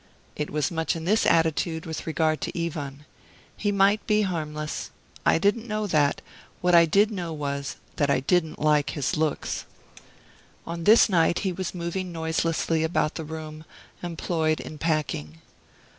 I was much in this attitude with regard to Ivan. He might be harmless. I didn't know that; what I did know was that I didn't like his looks. On this night he was moving noiselessly about the room, employed in packing.